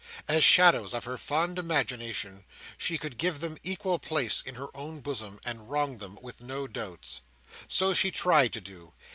As shadows of her fond imagination, she could give them equal place in her own bosom, and wrong them with no doubts. So she tried to do.